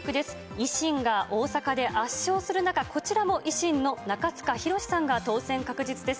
維新が大阪で圧勝する中、こちらも維新の中司宏さんが当選確実です。